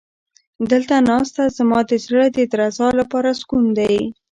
دلته ناسته زما د زړه د درزا لپاره سکون دی.